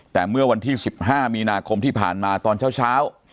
แต่เมื่อวันที่๑๕มีนาคมที่ผ่านมาตอนเช้า